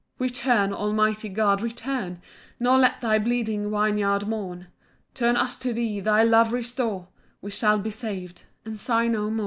8 Return, almighty God, return, Nor let thy bleeding vineyard mourn; Turn us to thee, thy love restore, We shall be sav'd, and sigh no more.